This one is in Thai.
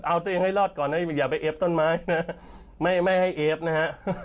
เอาตัวเองให้รอดก่อนนะอย่าไปเอฟต้นไม้นะไม่ให้เอฟนะฮะ